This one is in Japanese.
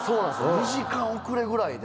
２時間遅れぐらいで。